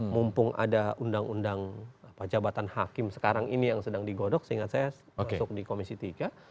mumpung ada undang undang jabatan hakim sekarang ini yang sedang digodok seingat saya masuk di komisi tiga